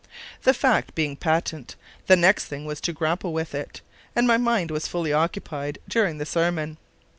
The fact being patent, the next thing was to grapple with it; and my mind was fully occupied during the sermon.